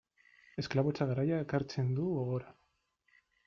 Esklabotza garaia ekartzen du gogora.